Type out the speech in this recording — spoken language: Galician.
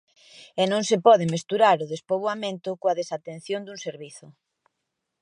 E non se pode mesturar o despoboamento coa desatención dun servizo.